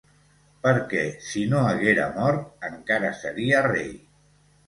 Perquè si no haguera mort, encara seria rei.